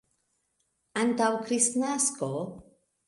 Antaŭ Kristnasko.